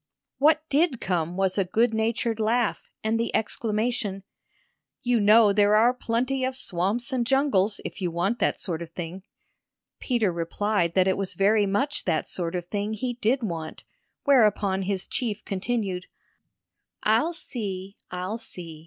What did come was a good natured laugh and the exclamation: "You know there are plenty of swamps and jungles, if you want that sort of thing," Peter replied that it was very much that sort of thing he did want; whereupon his chief continued: "I'll see I'll see.